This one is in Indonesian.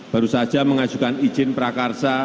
baru saja mengajukan izin prakarsa